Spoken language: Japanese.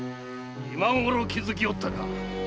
今ごろ気付きおったか。